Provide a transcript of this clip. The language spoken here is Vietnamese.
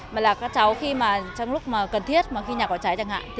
mà là các cháu khi mà trong lúc mà cần thiết mà khi nhà có cháy chẳng hạn